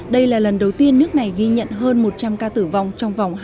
đây là lần đầu tiên nước này ghi nhận hơn một trăm linh ca tử vong trong vòng hai mươi